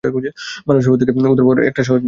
মানুষের হোত থেকে উদ্ধার পাওয়ার এটা সহজ টেকনিক।